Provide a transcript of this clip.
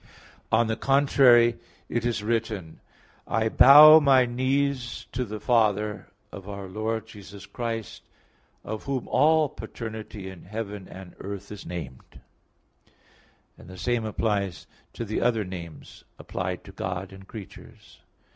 On the contrary, It is written, "I bow my knees to the Father, of our Lord Jesus Christ, of Whom all paternity in heaven and earth is named" (Eph. 3:14,15); and the same applies to the other names applied to God and creatures.